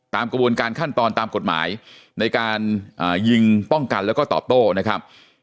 กระบวนการขั้นตอนตามกฎหมายในการยิงป้องกันแล้วก็ตอบโต้นะครับ